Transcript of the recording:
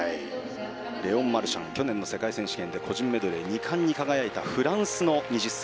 レオン・マルシャン去年の世界選手権個人メドレーで２冠に輝いたフランスの２０歳。